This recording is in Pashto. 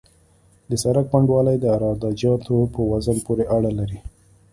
د سرک پنډوالی د عراده جاتو په وزن پورې اړه لري